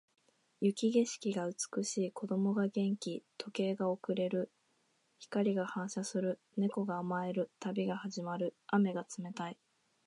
雪景色が美しい。子供が元気。時計が遅れる。光が反射する。猫が甘える。旅が始まる。雨が冷たい。